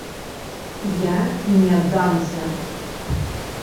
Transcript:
я не дамся!.."